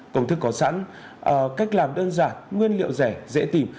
công thức có sẵn cách làm đơn giản nguyên liệu rẻ dễ tìm